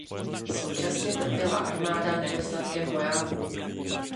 Současně trpěla armáda nedostatkem vojáků.